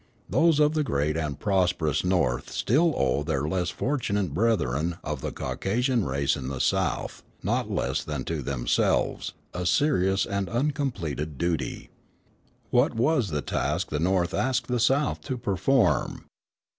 Those of the great and prosperous North still owe to their less fortunate brethren of the Caucasian race in the South, not less than to themselves, a serious and uncompleted duty. What was the task the North asked the South to perform?